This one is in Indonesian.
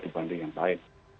dibanding yang lain